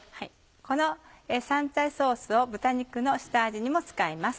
この香菜ソースを豚肉の下味にも使います。